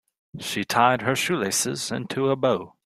She tied her shoelaces into a bow.